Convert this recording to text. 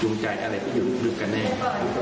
จูงใจยังไม่อยู่ลึกเนี่ย